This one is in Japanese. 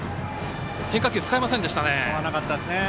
変化球使いませんでしたね。